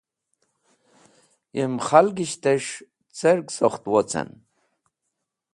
Yem khalgishtẽs̃h cẽr sokht wocẽn.